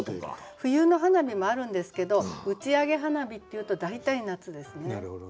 冬の花火もあるんですけど「打ち上げ花火」っていうと大体夏ですね。